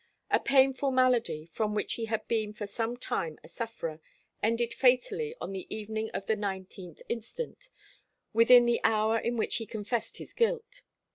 A painful malady, from which he had been for some time a sufferer, ended fatally on the evening of the 19th inst., within the hour in which he confessed his guilt.